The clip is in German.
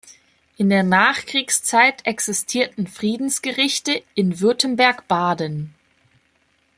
In der Nachkriegszeit existierten Friedensgerichte in Württemberg-Baden.